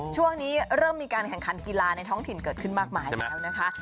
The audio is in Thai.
ช่วงนี้เริ่มมีการแข่งขันกีฬาในท้องถิ่นเกิดขึ้นมากมายแล้วนะคะ